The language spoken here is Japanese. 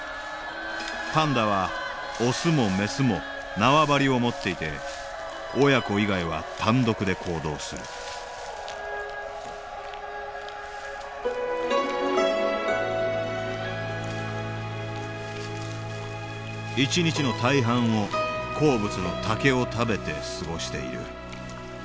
パンダはオスもメスも縄張りを持っていて親子以外は単独で行動する一日の大半を好物の竹を食べて過ごしている。